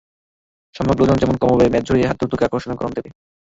সামগ্রিক ওজন যেমন কমাবে, মেদ ঝরিয়ে হাত দুটোকেও আকর্ষণীয় গড়ন দেবে।